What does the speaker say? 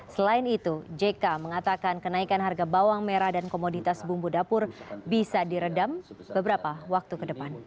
selain itu jk mengatakan kenaikan harga bawang merah dan komoditas bumbu dapur bisa diredam beberapa waktu ke depan